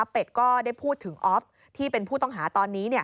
ก็ได้พูดถึงออฟที่เป็นผู้ต้องหาตอนนี้